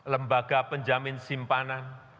lembaga penjamin simpanan